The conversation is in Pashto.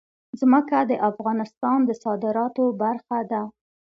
ځمکه د افغانستان د صادراتو برخه ده.